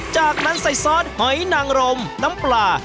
จากนั้นใส่ซอสหอยนางรมน้ำปลา